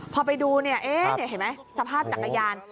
พอไปดูเห็นไหมสภาพจักรยาน